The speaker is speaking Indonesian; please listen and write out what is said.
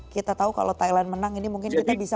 kita tahu kalau thailand menang ini mungkin kita bisa